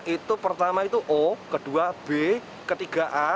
itu pertama itu o kedua b ketiga a